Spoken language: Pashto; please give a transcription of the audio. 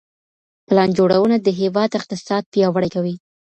پلان جوړونه د هیواد اقتصاد پیاوړی کوي.